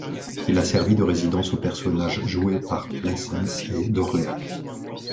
Il a servi de résidence aux personnages joués par Pleasence et Dorléac.